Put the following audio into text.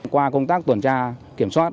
qua công tác tuần tra kiểm soát